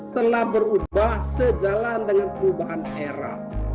telah berubah sejalan dengan perubahan era